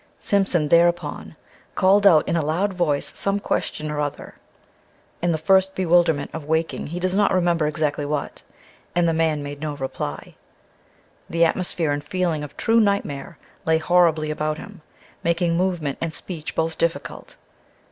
Simpson thereupon called out in a loud voice some question or other in the first bewilderment of waking he does not remember exactly what and the man made no reply. The atmosphere and feeling of true nightmare lay horribly about him, making movement and speech both difficult.